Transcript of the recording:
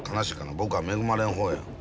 僕は恵まれん方や。